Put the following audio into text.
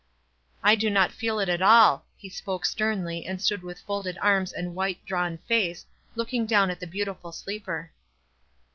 "I do not feel it at all." He spoke sternly, and stood with folded arms and white, drawn face, looking down at the beautiful sleeper.